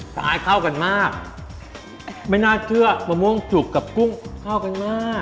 คล้ายเข้ากันมากไม่น่าเชื่อมะม่วงจุกกับกุ้งเข้ากันมาก